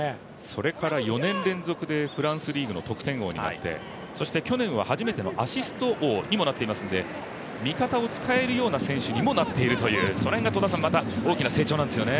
それから４年連続でフランスリーグの得点王になってそして去年は初めてのアシスト王にもなっていますので味方を使えるような選手にもなっているという、その辺が大きな成長なんですよね。